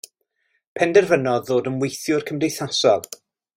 Penderfynodd ddod yn weithiwr cymdeithasol.